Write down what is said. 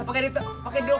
pakai di dioker begitu sih